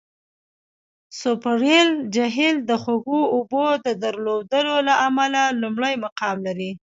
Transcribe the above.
سوپریر جهیل د خوږو اوبو د درلودلو له امله لومړی مقام لري.